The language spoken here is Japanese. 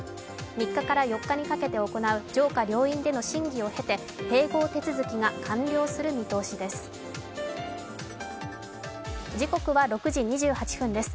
３日から４日にかけて行う上下両院での審議を経て、併合手続きが完了する見通しです。